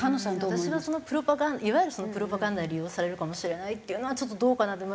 私はそのいわゆるプロパガンダに利用されるかもしれないっていうのはちょっとどうかなって。